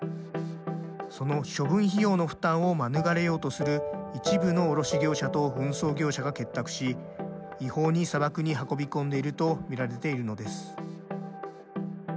その処分費用の負担を免れようとする一部の卸業者と運送業者が結託し違法に砂漠に運び込んでいるとみられているのです。